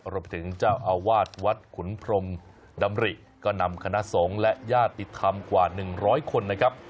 รวมไปถึงเจ้าอาวาสวัดขุนพรมดำริก็นำคณะสงฆ์และญาติติดธรรมกว่า๑๐๐คนนะครับ